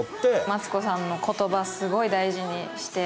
マツコさんの言葉すごい大事にして。